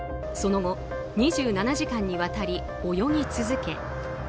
その後２７時間にわたり泳ぎ続け